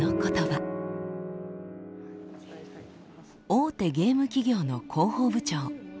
大手ゲーム企業の広報部長。